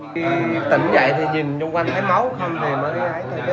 khi tỉnh dậy thì nhìn trung quanh thấy máu không thì mới thấy